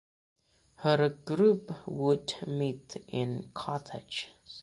Her group would meet in cottages.